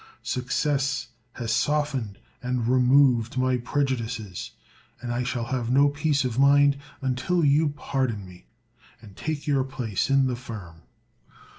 Success has softened and removed my prejudices; and I shall have no peace of mind until you pardon me, and take your place in the firm."